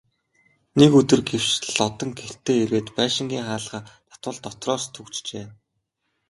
Нэг өдөр гэвш Лодон гэртээ ирээд байшингийн хаалгаа татвал дотроос түгжжээ.